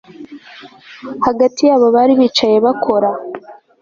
Hagati yabo bari bicaye bakora